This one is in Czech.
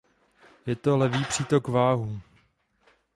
Je to levý přítok Váhu.